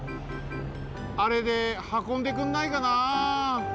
あれではこんでくんないかな。